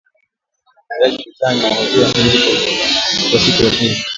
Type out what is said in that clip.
Jaji Ketanji ahojiwa na seneti kwa siku ya pili